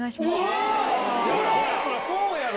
そりゃそうやろ！